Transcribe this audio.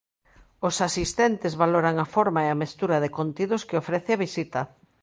Os asistentes valoran a forma e a mestura de contidos que ofrece a visita.